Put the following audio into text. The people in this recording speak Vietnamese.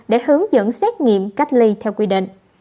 để hướng dẫn xét nghiệm cách ly theo quy định